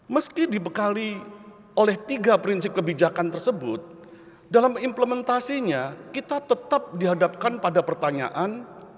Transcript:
meski dibekali oleh tiga prinsip kebijakan tersebut dalam implementasinya kita tetap dihadapkan pada pertanyaan